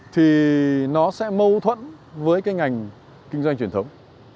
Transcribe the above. thì nó sẽ mâu thuẫn với cái ngành kinh doanh truyền thống